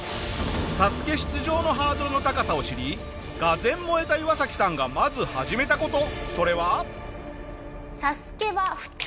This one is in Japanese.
『ＳＡＳＵＫＥ』出場のハードルの高さを知り俄然燃えたイワサキさんがまず始めた事それは。